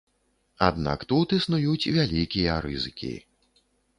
Аднак тут існуюць вялікія рызыкі.